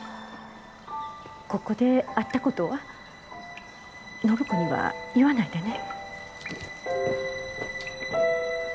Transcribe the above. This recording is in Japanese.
ここで会ったことは暢子には言わないでね。